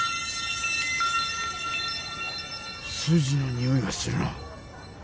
数字のにおいがするな。